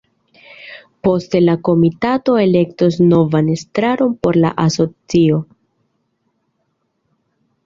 Poste la komitato elektos novan estraron por la asocio.